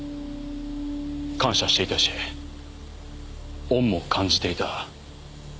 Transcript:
感謝していたし恩も感じていた。